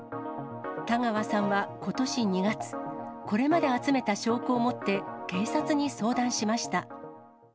田川さんはことし２月、これまで集めた証拠を持って、警察に相談しました。